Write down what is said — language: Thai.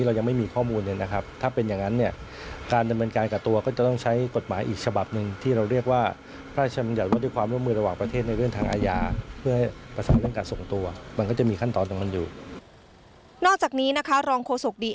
เรายังไม่มีข้อมูลนะครับถ้าเป็นอย่างนั้นการดำเนินการกับตัวก็จะต้องใช้กฎหมายอีกฉบับหนึ่งที่เราเรียกว่าพระชอบัญชายวงจาก